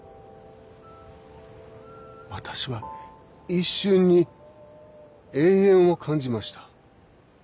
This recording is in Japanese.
私は一瞬に永遠を感じました。